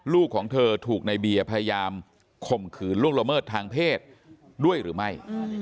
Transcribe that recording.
ของเธอถูกในเบียร์พยายามข่มขืนล่วงละเมิดทางเพศด้วยหรือไม่